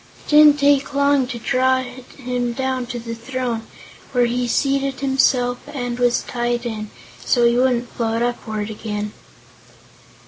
It didn't take long to draw him down to the throne, where he seated himself and was tied in, so he wouldn't float upward again.